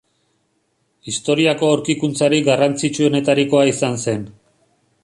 Historiako aurkikuntzarik garrantzitsuenetarikoa izan zen.